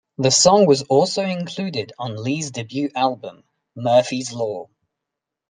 The song was also included on Lee's debut album, "Murphy's Law".